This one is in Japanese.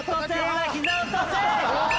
ほらひざ落とせ！